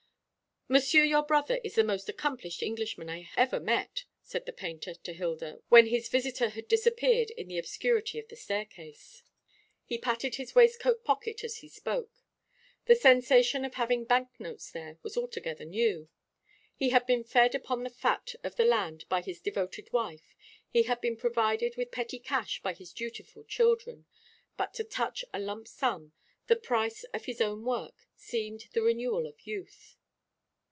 "Monsieur your brother is the most accomplished Englishman I ever met," said the painter to Hilda, when his visitor had disappeared in the obscurity of the staircase. He patted his waistcoat pocket as he spoke. The sensation of having bank notes there was altogether new. He had been fed upon the fat of the land by his devoted wife; he had been provided with petty cash by his dutiful children; but to touch a lump sum, the price of his own work, seemed the renewal of youth.